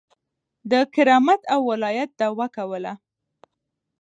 د کرامت او ولایت دعوه کوله.